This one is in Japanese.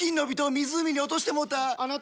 湖に落としてもうた！